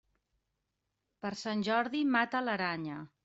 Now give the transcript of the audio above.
Per Sant Jordi, mata l'aranya.